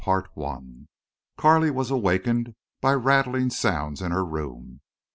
CHAPTER III Carley was awakened by rattling sounds in her room.